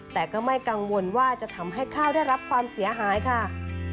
แต่ก็ไม่กังวลว่าจะทำให้ข้าวได้รับความเสียหายค่ะ